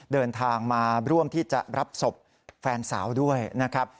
เดินทางมาร่วมที่จะรับศพแฟนสาวด้วยนะครับ